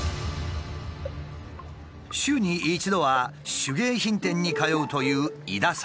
週に一度は手芸品店に通うという井田さん。